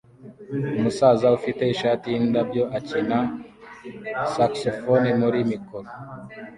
Umusaza ufite ishati yindabyo akina saxofone muri mikoro